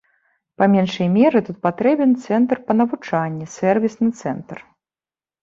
Па меншай меры, тут патрэбен цэнтр па навучанні, сэрвісны цэнтр.